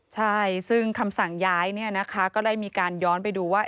ใช่ซึ่งคำสั่งย้ายเนี่ยนะคะก็ได้มีการย้อนไปดูว่า